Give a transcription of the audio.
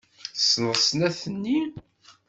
Tessneḍ snat-nni?